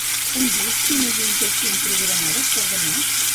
Em dius quines juntes tinc programades per demà?